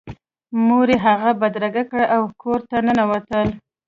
مور یې هغه بدرګه کړ او کور ته ننوتل